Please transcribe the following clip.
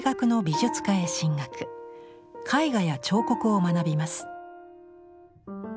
絵画や彫刻を学びます。